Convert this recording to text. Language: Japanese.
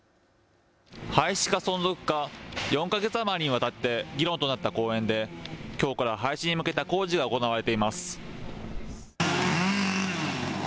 廃止か存続か、４か月余りにわたって議論となった公園できょうから廃止に向けた工事が行われています。